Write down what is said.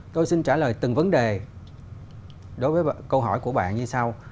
tôi xin trả lời từng vấn đề đối với câu hỏi của bạn như sau